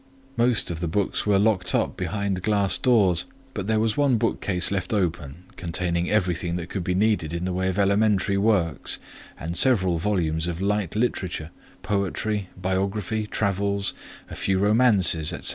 Most of the books were locked up behind glass doors; but there was one bookcase left open containing everything that could be needed in the way of elementary works, and several volumes of light literature, poetry, biography, travels, a few romances, &c.